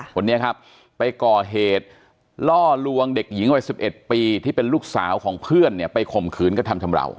คนเนี้ยครับไปก่อเหตุล่อลวงเด็กหญิงเอาไว้สิบเอ็ดปีที่เป็นลูกสาวของเพื่อนเนี้ยไปค่มคืนก็ทำำเหลา